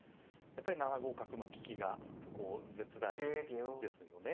やっぱり７五角の利きがこう絶大ですよね。